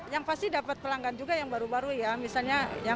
yang pasti dapat pelanggan juga yang baru baru ya